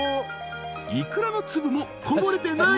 イクラの粒もこぼれてない！